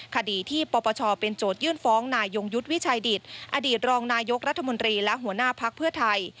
คดีที่ปปชเป็นโจทยื่นฟ้องนายยงยุทธ์วิชัยดิตอดีตรองนายกรัฐมนตรีและหัวหน้าพักเพื่อไทย